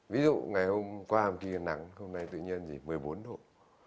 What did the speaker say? ví dụ ngày hôm qua hôm kia nắng hôm nay tự nhiên gì một mươi bốn độ